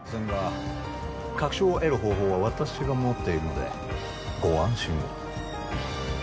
確証を得る方法は私が持っているのでご安心を。